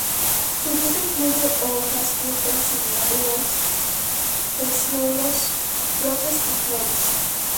Su dieta incluye hojas, fruta inmadura, peciolos, brotes y flores.